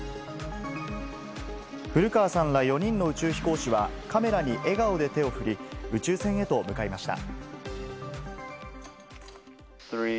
古川さんら４人の宇宙飛行士はカメラに笑顔で手を振り、宇宙船へと向かいました。